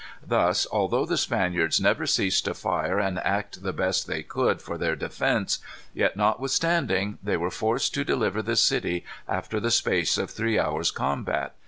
Thus, although the Spaniards never ceased to fire and act the best they could for their defence, yet, notwithstanding, they were forced to deliver the city after the space of three hours' combat.